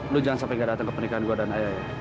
lo jangan sampai nggak datang ke pernikahan gue dan ayahnya